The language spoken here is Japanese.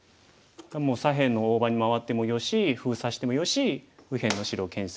もう左辺の大場に回ってもよし封鎖してもよし右辺の白をけん制するのもよし。